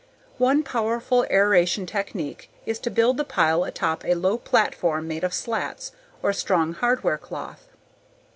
One powerful aeration technique is to build the pile atop a low platform made of slats or strong hardware cloth.